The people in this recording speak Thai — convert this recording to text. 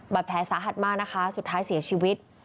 แผลสาหัสมากนะคะสุดท้ายเสียชีวิต